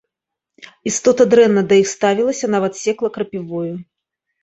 Істота дрэнна да іх ставілася, нават секла крапівою.